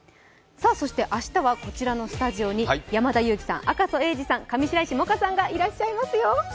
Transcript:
明日はこちらのスタジオに山田裕貴さん、赤楚衛二さん、上白石萌歌さんがいらっしゃいますよ。